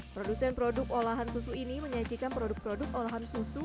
produsen produk olahan susu ini menyajikan produk produk olahan susu